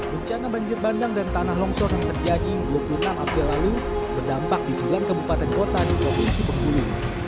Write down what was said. bencana banjir bandang dan tanah longsor yang terjadi dua puluh enam april lalu berdampak di sembilan kabupaten kota di provinsi bengkulu